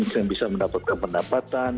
yang bisa mendapatkan pendapatan